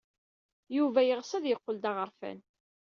Yuba yeɣs ad yeqqel d aɣerfan.